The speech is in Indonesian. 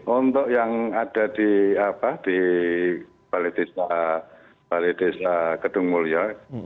untuk yang ada di balai desa gedung mulya